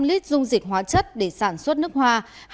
năm trăm linh lit dung dịch hoa chất để sản xuất nước hoa